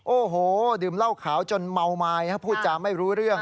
โอ้โหดื่มเหล้าขาวจนเมาไม้พูดจาไม่รู้เรื่อง